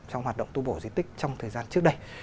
trong hoạt động tu bổ di tích trong thời gian trước đây